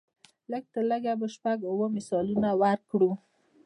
لږ تر لږه شپږ اووه مثالونه ورکړو.